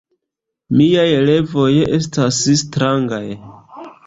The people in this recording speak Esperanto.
Miaj revoj estas strangaj.